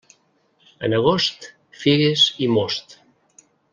En agost, figues i most.